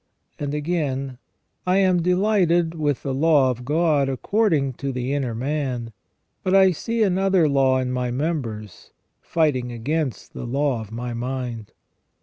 And again :" I am delighted with the law of God according to the inner man ; but I see another law in my members, fighting against the law of my mind".